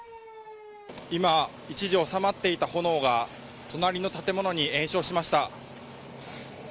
今、一時収まっていた炎が隣の建物に延焼しました。